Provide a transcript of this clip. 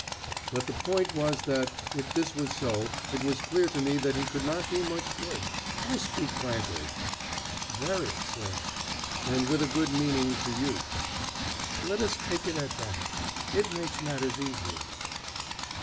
"But the point was that, if this was so, it was clear to me that he could not be much good I speak frankly " "Very, sir." "And with a good meaning to you." "Let us take it at that. It makes matters easier."